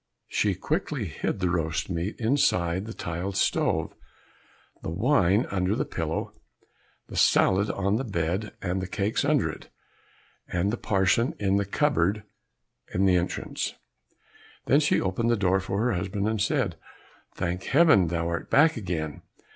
She quickly hid the roast meat inside the tiled stove, the wine under the pillow, the salad on the bed, the cakes under it, and the parson in the cupboard in the entrance. Then she opened the door for her husband, and said, "Thank heaven, thou art back again!